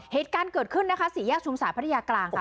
เหตุการณ์เกิดขึ้นนะคะสี่แยกชุมสายพัทยากลางค่ะ